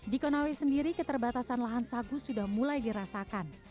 di konawi sendiri keterbatasan lahan sagu sudah mulai dirasakan